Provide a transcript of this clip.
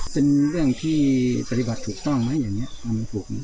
เป็นเรื่องที่ปฏิบัติถูกต้องมั้ยอย่างนี้